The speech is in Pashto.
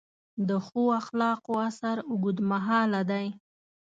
د ښو اخلاقو اثر اوږدمهاله دی.